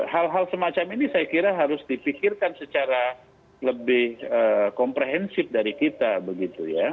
hal hal semacam ini saya kira harus dipikirkan secara lebih komprehensif dari kita begitu ya